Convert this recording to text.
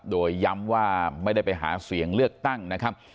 โดยย้ำว่าไม่ได้ไปหาเสียงเลือกตั้งนะครับ